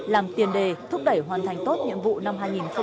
làm tiền đề thúc đẩy hoàn thành tốt nhiệm vụ năm hai nghìn hai mươi